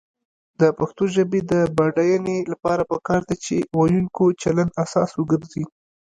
د پښتو ژبې د بډاینې لپاره پکار ده چې ویونکو چلند اساس وګرځي.